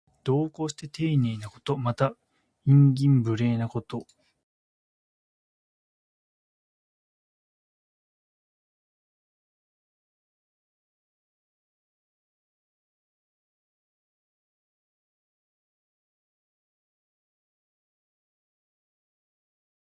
四月に咲く桜は、見ているだけで心が和む。